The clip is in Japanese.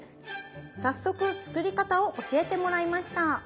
早速作り方を教えてもらいました。